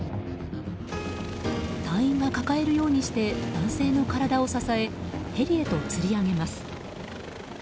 隊員が抱えるようにして男性の体を支えヘリへとつり上げます。